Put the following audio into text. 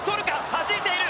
はじいている！